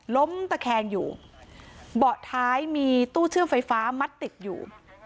ล้มตะแคงอยู่เบาะท้ายมีตู้เชื่อมไฟฟ้ามัดติดอยู่